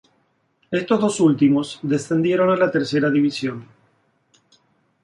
Estos dos últimos descendieron a Tercera división.